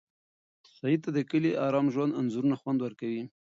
سعید ته د کلي د ارام ژوند انځورونه خوند ورکوي.